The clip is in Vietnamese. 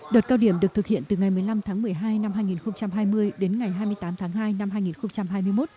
đợt cao điểm được thực hiện từ ngày một mươi năm tháng một mươi hai năm hai nghìn hai mươi đến ngày hai mươi tám tháng hai năm hai nghìn hai mươi một